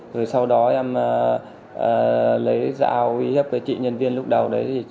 rồi sau đó em lấy dao uy hiếp với chị nhân viên lúc đầu đấy